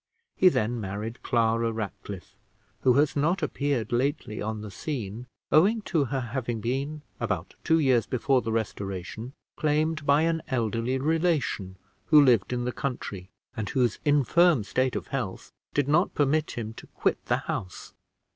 He then married Clara Ratcliffe, who has not appeared lately on the scene, owing to her having been, about two years before the Restoration, claimed by an elderly relation, who lived in the country, and whose infirm state of health did not permit him to quit the house.